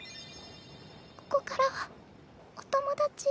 ここからはお友達。